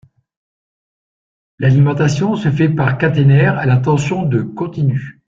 L'alimentation se fait par caténaires à la tension de continu.